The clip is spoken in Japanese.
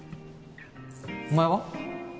お前は？